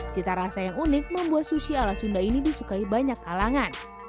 cita rasa yang unik membuat sushi ala sunda ini disukai banyak kalangan